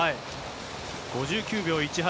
５９秒１８。